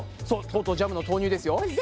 とうとうジャムの投入ですよ。